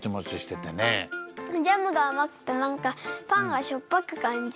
ジャムがあまくてなんかパンがしょっぱくかんじる。